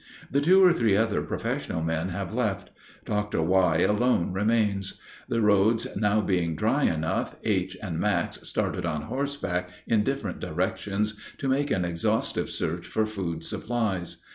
The two or three other professional men have left. Dr. Y. alone remains. The roads now being dry enough, H. and Max started on horseback, in different directions, to make an exhaustive search for food supplies.